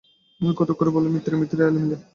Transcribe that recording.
আমি কৌতুক করে বললুম, মিত্রে মিত্রে মিলে আমিত্রাক্ষর।